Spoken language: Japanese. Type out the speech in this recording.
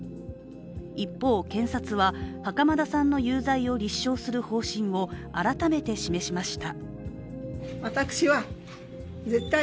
一方、検察は、袴田さんの有罪を立証する方針を改めて示しました。